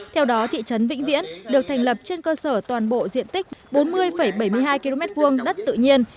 theo đó thị trấn vĩnh viễn được thành lập trên cơ sở toàn bộ diện tích bốn mươi bảy mươi hai km hai đất tự nhiên